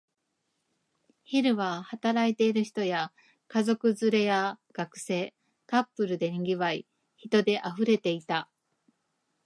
昼は働いている人や、家族連れや学生、カップルで賑わい、人で溢れていた